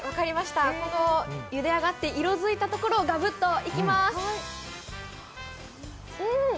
このゆで上がって色づいたところをガブッといきます。